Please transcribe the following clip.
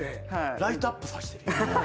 ライトアップさせてる。